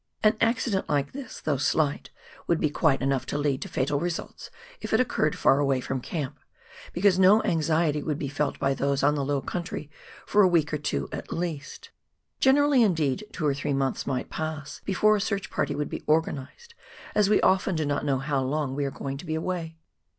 An accident like this, though slight, would be quite enough to lead to fatal results if it occurred far away from camp, because no anxiety would be felt by those on the low country for a week or two at least. Generally, indeed, two or three months might pass before a search party would be organized, as we often do not know how long we are going to be away.